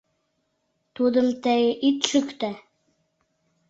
Тудым тые ит шӱктӧ!